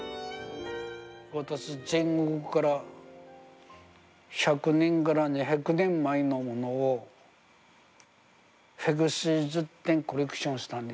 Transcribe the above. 私全国から１００年から２００年前のものを百数十点コレクションしたんです。